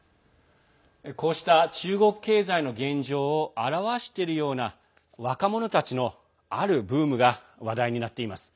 こうした中国経済の現状を表しているような若者たちのあるブームが話題になっています。